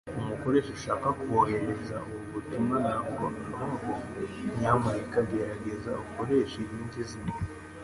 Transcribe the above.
Umukoresha ushaka kohereza ubu butumwa ntabwo abaho. Nyamuneka gerageza ukoresheje irindi zina.